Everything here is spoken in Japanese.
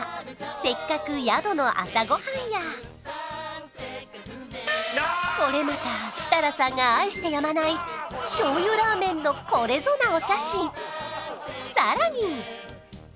せっかく宿の朝ごはんやこれまた設楽さんが愛してやまない醤油ラーメンのこれぞなお